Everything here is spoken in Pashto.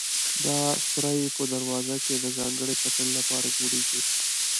دا سورى په دروازه کې د ځانګړې کتنې لپاره جوړېږي.